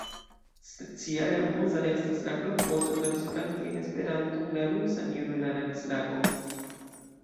Speciale amuza estas la klopodo transplanti en Esperanton la rusan junularan slangon.